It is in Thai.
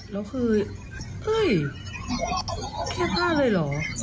เราคือเฮ้ยแก้ผ้าเลยเหรอ